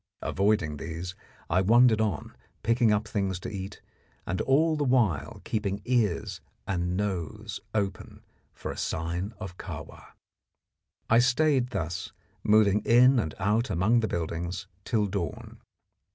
Avoiding these, I wandered on, picking up things to eat, and all the while keeping ears and nose open for a sign of Kahwa. I stayed thus, moving in and out among the buildings, till dawn.